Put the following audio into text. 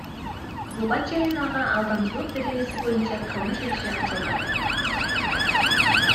Буга чейин ага Алдамчылык беренеси боюнча кылмыш иши ачылган.